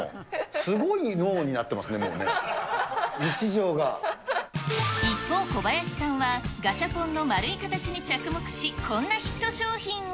すごい脳になってます一方、小林さんはガシャポンの丸い形に着目し、こんなヒット商品を。